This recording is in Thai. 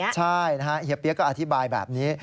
ใช่นะฮะเฮียเปี๊ยกก็อธิบายแบบนี้